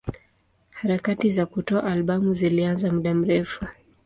Harakati za kutoa albamu zilianza muda mrefu.